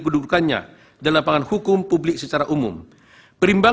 tiga puluh enam bisa dalam pokok permohonan